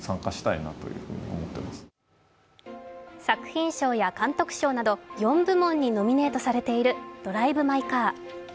作品賞や監督賞など４部門にノミネートされている「ドライブ・マイ・カー」。